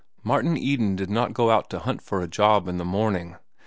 Martin Eden did not go out to hunt for a job in the morning.